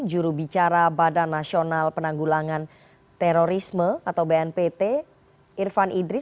jurubicara badan nasional penanggulangan terorisme atau bnpt irfan idris